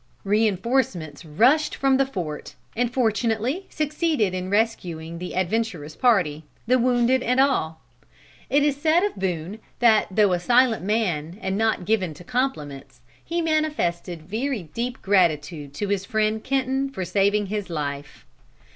Reinforcements rushed from the fort, and fortunately succeeded in rescuing the adventurous party, the wounded and all. It is said of Boone, that though a silent man and not given to compliments, he manifested very deep gratitude to his friend Kenton for saving his life.